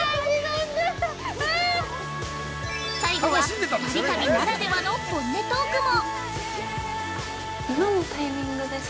最後は２人旅ならではの本音トークも！